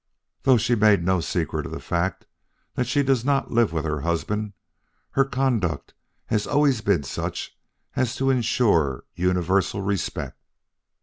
Though she made no secret of the fact that she does not live with her husband, her conduct has always been such as to insure universal respect.